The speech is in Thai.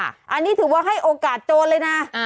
อันนี้ถือว่าให้โอกาสโจรเลยนะ